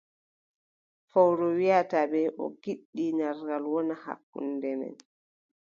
Fowru wiʼata ɓe: to en ngiɗi narral wona hakkunde men,